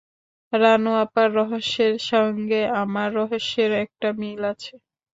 রানু আপার রহস্যের সঙ্গে আমার রহস্যের একটা মিল আছে।